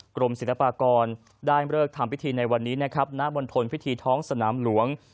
กรมศิลปากรได้เลิกทำพิธีในวันนี้นะครับณบนทนพิธีท้องสนามหลวง